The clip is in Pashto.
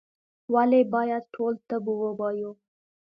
ولي باید ټول طب ووایو؟